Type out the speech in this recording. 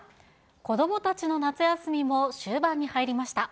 子どもたちの夏休みも終盤に入りました。